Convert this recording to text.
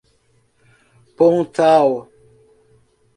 Pontal